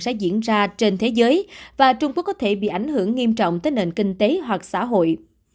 sẽ diễn ra trên thế giới và trung quốc có thể bị ảnh hưởng nghiêm trọng tới nền kinh tế hoặc xã hội